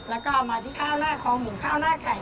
แล้วก็เอามาที่ข้าวหน้าคอหมูข้าวหน้าไข่